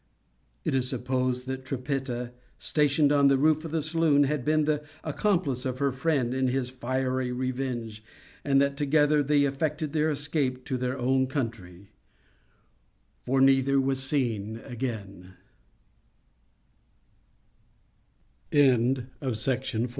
It is supposed that Trippetta, stationed on the roof of the saloon, had been the accomplice of her friend in his fiery revenge, and that, together, they effected their escape to their own country; for neither was seen again.